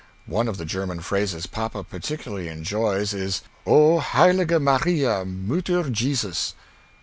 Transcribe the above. One of the German phrases papa particularly enjoys is "O heilige maria Mutter Jesus!"